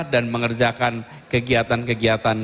dan mengerjakan kegiatan kegiatan